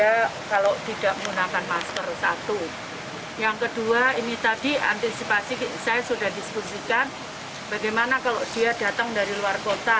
saya kalau tidak menggunakan masker satu yang kedua ini tadi antisipasi saya sudah diskusikan bagaimana kalau dia datang dari luar kota